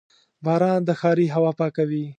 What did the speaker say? • باران د ښاري هوا پاکوي.